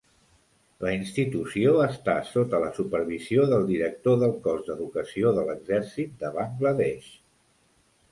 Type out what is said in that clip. La institució està sota la supervisió del director del Cos d'Educació de l'Exèrcit de Bangla Desh.